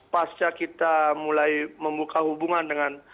pasca kita mulai membuka hubungan dengan